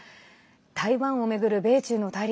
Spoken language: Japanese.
台湾を巡る米中の対立